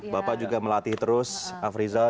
bapak juga melatih terus afrizal